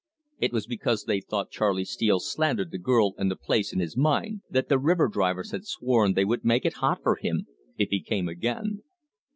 It was because they thought Charley Steele slandered the girl and the place in his mind, that the river drivers had sworn they would make it hot for him if he came again.